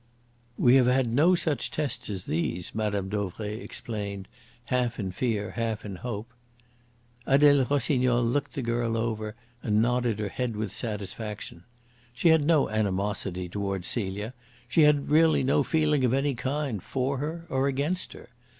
"We have had no such tests as these," Mme. Dauvray explained, half in fear, half in hope. Adele Rossignol looked the girl over and nodded her head with satisfaction. She had no animosity towards Celia; she had really no feeling of any kind for her or against her.